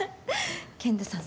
健太さん